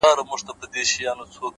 • نن مي بيا پنـځه چيلمه ووهـل،